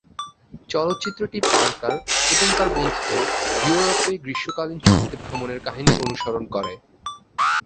চলচ্চিত্রটি পার্কার এবং তার বন্ধুদের ইউরোপে গ্রীষ্মকালীন ছুটিতে ভ্রমণের কাহিনী অনুসরণ করে।